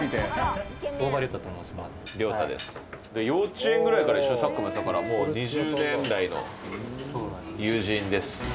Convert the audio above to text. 幼稚園ぐらいから一緒にサッカーもやってたから２０年来の友人です。